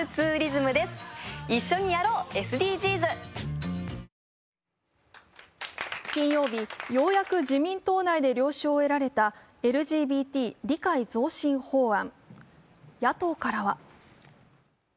ニトリ金曜日、ようやく自民党内で了承を得られたＬＧＢＴ理解増進法案。